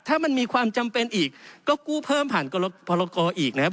ถ้ามันมีความจำเป็นอีกก็กู้เพิ่มผ่านพรกรอีกนะครับ